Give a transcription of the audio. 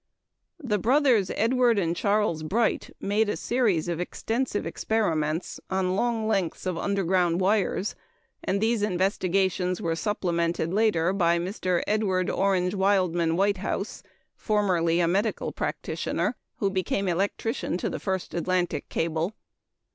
The brothers, Edward and Charles Bright, made a series of extensive experiments on long lengths of underground wires; and these investigations were supplemented later by Mr. Edward Orange Wildman Whitehouse (formerly a medical practitioner), who became electrician to the first Atlantic cable.